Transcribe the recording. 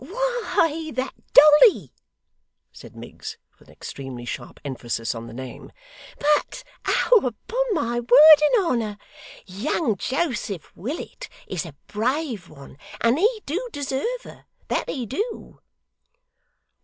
'Why, that Dolly,' said Miggs, with an extremely sharp emphasis on the name. 'But, oh upon my word and honour, young Joseph Willet is a brave one; and he do deserve her, that he do.